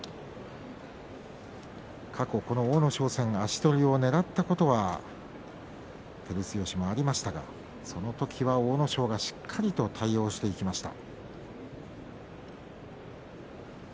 過去を阿武咲戦足取りをねらったことは照強もありましたがその時は阿武咲がしっかりと対応していきました。